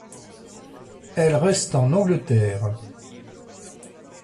Elle reste en Angleterre.